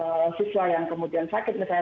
ada siswa yang kemudian sakit misalnya